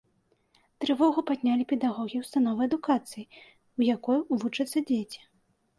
Трывогу паднялі педагогі ўстановы адукацыі, у якой вучацца дзеці.